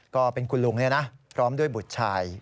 ก็เป็นคุณลุงเนี่ยนะพร้อมด้วยบุตรชาย